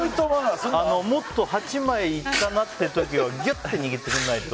もっと８枚いったなって時はぎゅって握ってくれないと。